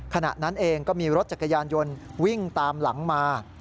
ขณะนั้นเองก็มีรถจักรยานยนต์วิ่งตามหลังมา